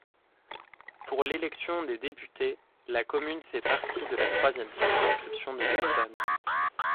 Pour l'élection des députés, la commune fait partie de la troisième circonscription de l'Essonne.